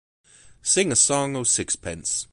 Sing a song o' sixpence!